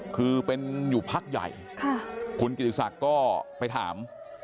คือเป็นอยู่พักใหญ่คุณกิติศักดิ์ก็ไปถาม